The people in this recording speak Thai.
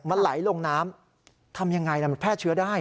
มันไหลลงน้ำทำยังไงมันแพร่เชื้อได้